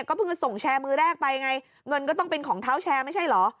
ก็เพิ่งจะส่งแชร์มือแรกไปไงเงินก็ต้องเป็นของเท้าแชร์ไม่ใช่เหรอ